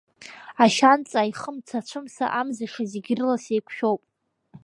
Ашьанҵа аихымца, ацәымса, амзаша зегь рыла, сеиқәшәоуп.